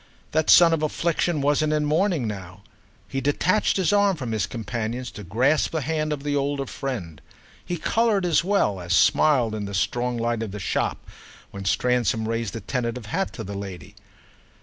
That son of affliction wasn't in mourning now; he detached his arm from his companion's to grasp the hand of the older friend. He coloured as well as smiled in the strong light of the shop when Stransom raised a tentative hat to the lady.